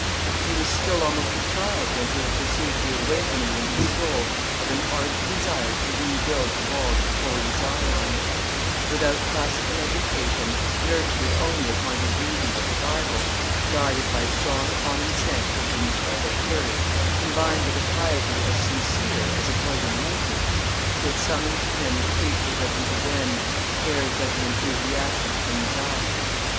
He was still almost a child when he had perceived the awakening in his soul of an ardent desire to rebuild the walls of holy Sion; without classical education, nurtured only upon his reading of the Bible, guided by strong common sense and intrepid courage, combined with a piety as sincere as it was enlightened, he had summoned to him the preachers of the Uvennes, heirs of the enthusiastic Camisards.